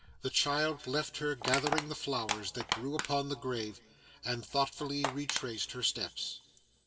The child left her gathering the flowers that grew upon the grave, and thoughtfully retraced her steps.